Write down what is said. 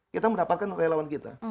kita mendapatkan relawan kita